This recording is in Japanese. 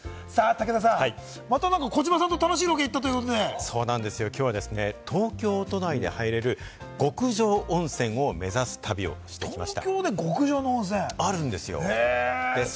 武田さん、また何か児嶋さんと楽しいロケいったということで、きょうはですね、東京都内で入れる極上温泉を目指す旅をしてきました。